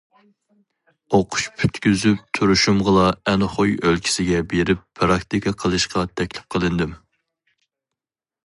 ئوقۇش پۈتكۈزۈپ تۇرۇشۇمغىلا ئەنخۇي ئۆلكىسىگە بېرىپ پىراكتىكا قىلىشقا تەكلىپ قىلىندىم.